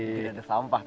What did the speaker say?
bukan sampai ada sampah